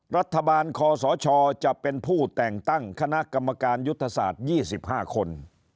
รัฐบาลคอสชจะเป็นผู้แต่งตั้งคณะกรรมการยุทธศาสตร์๒๕คน